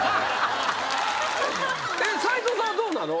斎藤さんはどうなの？